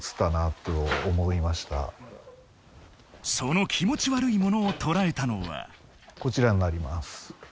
と思いましたその気持ち悪いものをとらえたのはこちらになります